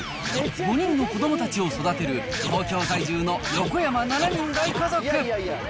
５人の子どもたちを育てる東京在住の横山７人大家族。